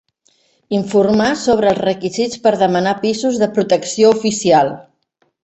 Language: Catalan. Informar sobre els requisits per demanar pisos de protecció oficial.